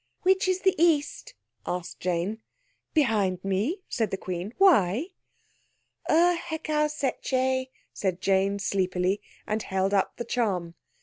"Which is the East?" asked Jane. "Behind me," said the Queen. "Why?" "Ur Hekau Setcheh," said Jane sleepily, and held up the charm.